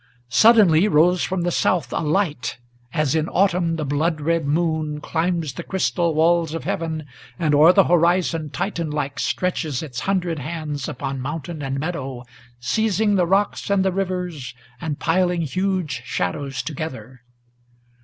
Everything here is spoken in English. Suddenly rose from the south a light, as in autumn the blood red Moon climbs the crystal walls of heaven, and o'er the horizon Titan like stretches its hundred hands upon mountain and meadow, Seizing the rocks and the rivers, and piling huge shadows together.